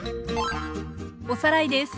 おさらいです。